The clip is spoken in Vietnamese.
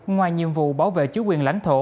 ngoài nhiệm vụ bảo vệ chứa quyền lãnh thổ